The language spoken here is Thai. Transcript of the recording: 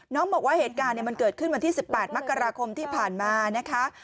บอกว่าเหตุการณ์มันเกิดขึ้นวันที่๑๘มกราคมที่ผ่านมานะคะ